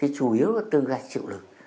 chủ yếu nó từng là chịu lực